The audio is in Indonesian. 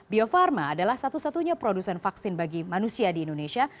bio farma adalah satu satunya produsen vaksin bagi manusia di indonesia